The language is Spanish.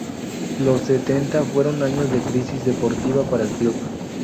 Los setenta fueron años de crisis deportiva para el club.